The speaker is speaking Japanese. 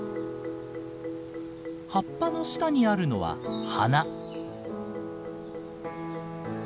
葉っぱの下にあるのは花。